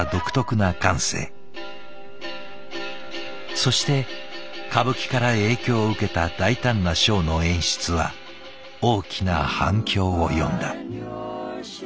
そして歌舞伎から影響を受けた大胆なショーの演出は大きな反響を呼んだ。